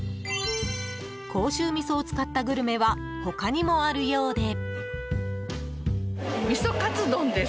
甲州味噌を使ったグルメは他にもあるようで。